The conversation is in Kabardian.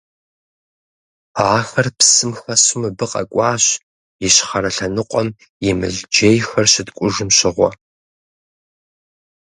Ахэр псым хэсу мыбы къэкӀуащ, ищхъэрэ лъэныкъуэм и мылджейхэр щыткӀужым щыгъуэ.